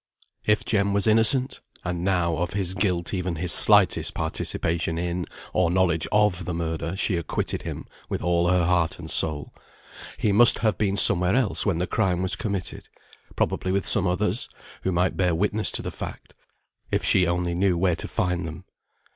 If Jem was innocent (and now, of his guilt, even his slightest participation in, or knowledge of, the murder, she acquitted him with all her heart and soul), he must have been somewhere else when the crime was committed; probably with some others, who might bear witness to the fact, if she only knew where to find them.